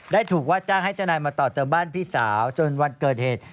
ถูกว่าจ้างให้เจ้านายมาต่อเติมบ้านพี่สาวจนวันเกิดเหตุ